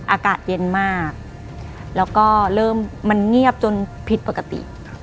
อากาศเย็นมากแล้วก็เริ่มมันเงียบจนผิดปกติ